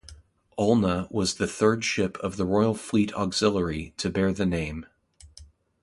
"Olna" was the third ship of the Royal Fleet Auxiliary to bear the name.